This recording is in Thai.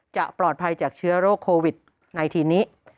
จะปลอดภัยจากเชื้อโรคโควิดในทีนี้